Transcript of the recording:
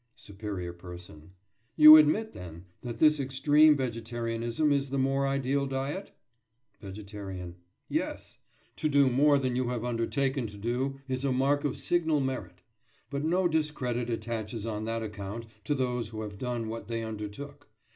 SUPERIOR PERSON: You admit, then, that this extreme vegetarianism is the more ideal diet? VEGETARIAN: Yes. To do more than you have undertaken to do is a mark of signal merit; but no discredit attaches on that account to those who have done what they undertook.